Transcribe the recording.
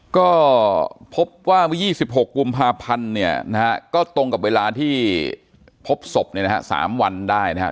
ก็พบว่าวัน๒๖กุมภาพันธ์ก็ตรงกับเวลาที่พบศพ๓วันได้นะครับ